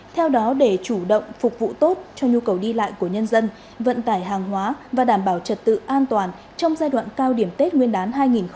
theo đó để chủ động phục vụ tốt cho nhu cầu đi lại của nhân dân vận tải hàng hóa và đảm bảo trật tự an toàn trong giai đoạn cao điểm tết nguyên đán hai nghìn hai mươi